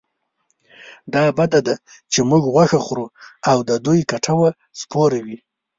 دا بده ده چې موږ غوښه خورو او د دوی کټوه سپوره وي.